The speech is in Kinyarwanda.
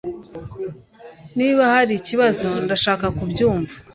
niba hari ikibazo, ndashaka kubyumva.